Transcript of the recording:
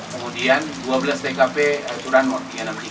kemudian dua belas tkp aturan nomor tiga ratus enam puluh tiga